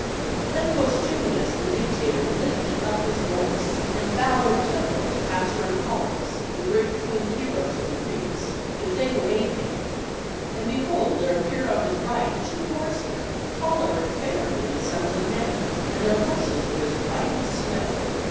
Then Postumius the dictator lifted up his voice and vowed a temple to Castor and Pollux, the great twin heroes of the Greeks, if they would aid him; and behold there appeared on his right two horsemen, taller and fairer than the sons of men, and their horses were as white as snow.